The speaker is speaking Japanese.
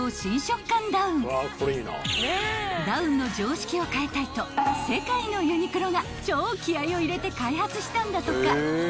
［ダウンの常識を変えたいと世界のユニクロが超気合を入れて開発したんだとか］